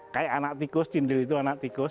kayak anak tikus cindil itu anak tikus